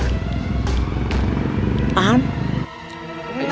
tidak ada yang paham